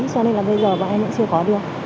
cho nên là bây giờ em cũng chưa có được